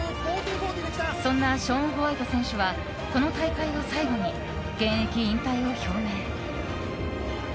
そんなショーン・ホワイト選手はこの大会を最後に現役引退を表明。